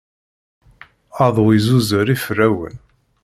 Aḍu yezzuzer iferrawen.